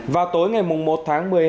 vào tối ngày một tháng một mươi hai